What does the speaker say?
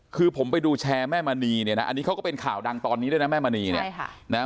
คือผมไปดูแชร์แม่มณีเนี่ยนะอันนี้เขาก็เป็นข่าวดังตอนนี้ด้วยนะแม่มณีเนี่ยใช่ค่ะนะฮะ